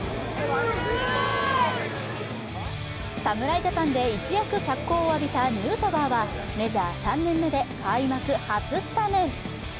侍ジャパンで一躍脚光を浴びたヌートバーはメジャー３年目で開幕初スタメン。